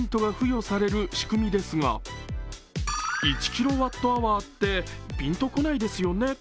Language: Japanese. １キロワットアワーってぴんとこないですよね？